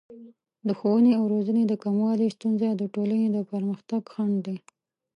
د ښوونې او روزنې د کموالي ستونزه د ټولنې د پرمختګ خنډ دی.